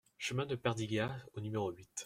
Chemin de Perdigailh au numéro huit